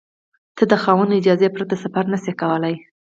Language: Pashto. ته د خاوند له اجازې پرته سفر نشې کولای.